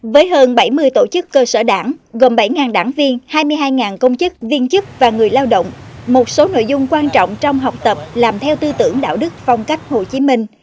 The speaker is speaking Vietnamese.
với hơn bảy mươi tổ chức cơ sở đảng gồm bảy đảng viên hai mươi hai công chức viên chức và người lao động một số nội dung quan trọng trong học tập làm theo tư tưởng đạo đức phong cách hồ chí minh